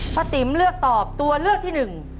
ติ๋มเลือกตอบตัวเลือกที่หนึ่ง